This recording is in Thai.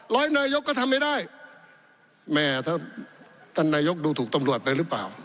นายกก็ทำไม่ได้แม่ถ้าท่านนายกดูถูกตำรวจไปหรือเปล่า